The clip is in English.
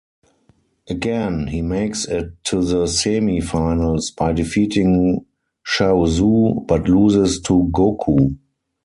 Again, he makes it to the semi-finals by defeating Chaozu, but loses to Goku.